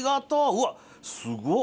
うわっすごっ！